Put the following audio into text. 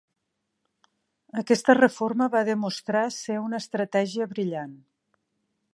Aquesta reforma va demostrar ser una estratègia brillant.